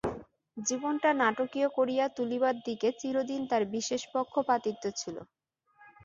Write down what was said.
জীবনটা নাটকীয় করিয়া তুলিবার দিকে চিরদিন তার বিশেষ পক্ষপাতিত্ব ছিল।